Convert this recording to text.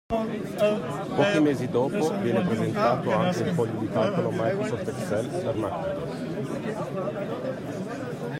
Pochi mesi dopo viene presentato anche il foglio di calcolo Microsoft Excel per Macintosh.